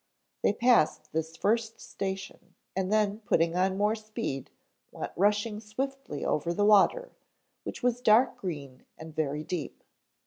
They passed this first station, and then putting on more speed went rushing swiftly over the water, which was dark green and very deep.